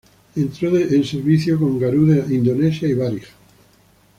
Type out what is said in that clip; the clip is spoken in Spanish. Entró en servicio con Garuda Indonesia y Varig.